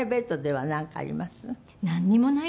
はい。